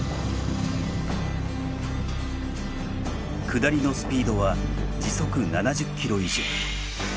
下りのスピードは時速７０ｋｍ以上。